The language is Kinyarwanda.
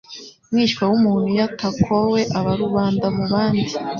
Mwishywa w’umuntu iyo atakowe aba rubanda mu bandi